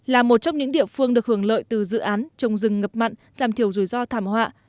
là một trong những địa phương được hưởng lợi từ dự án trồng rừng ngập mặn giảm thiểu rủi ro thảm họa